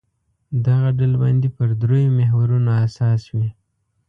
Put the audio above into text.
دغه ډلبندي پر درېیو محورونو اساس وي.